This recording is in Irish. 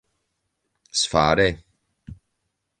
is fear é